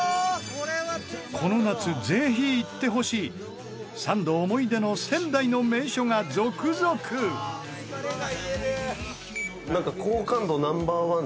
この夏、ぜひ行ってほしいサンド思い出の仙台の名所が続々千賀：疲れが癒える！